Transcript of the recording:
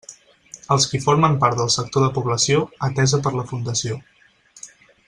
Els qui formen part del sector de població, atesa per la Fundació.